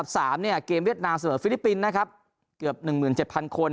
เสมอฟิลิปปินนะครับเกือบ๑๗๐๐๐คน